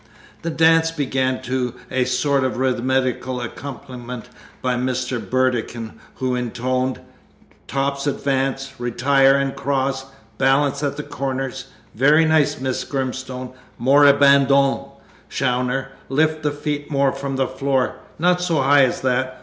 The dance began to a sort of rhythmical accompaniment by Mr. Burdekin, who intoned "Tops advance, retire and cross. Balance at corners. (Very nice, Miss Grimstone!) More 'abandon,' Chawner! Lift the feet more from the floor. Not so high as that!